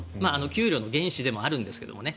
給料の原資でもあるんですけどね。